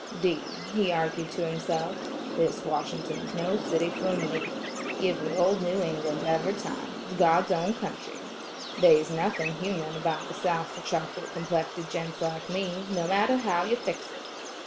"'Deed," he argued to himself, "this Washington's no city for me. Give me old New England every time; it's God's own country. They's nuthin' human about the South for chocolate complected gents like me, no matter how you fix it.